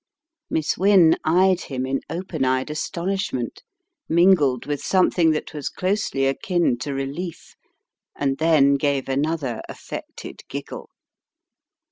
Miss Wynne eyed him in open eyed astonishment mingled with something that was closely akin to re lief and then gave another affected giggle.